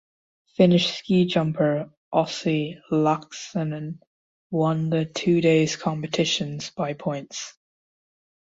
Finnish ski jumper Ossi Laaksonen won the two days competitions by points.